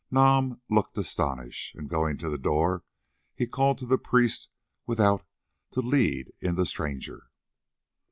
Nam looked astonished, and going to the door he called to the priest without to lead in the stranger.